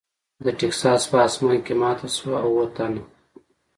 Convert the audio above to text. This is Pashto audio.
د ټیکساس په اسمان کې ماته شوه او اووه تنه .